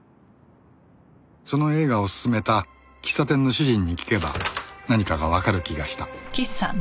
その映画を薦めた喫茶店の主人に聞けば何かがわかる気がした